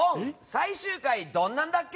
最終回どんなんだっけ？